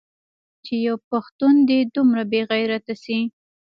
چې يو پښتون دې دومره بې غيرته سي.